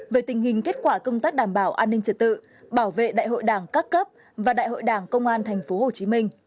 về tình hình kết quả công tác đảm bảo an ninh trật tự bảo vệ đại hội đảng các cấp và đại hội đảng công an tp hcm